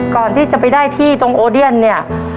ก่อนที่จะไปได้ที่ตรงโอเดียนเนี่ย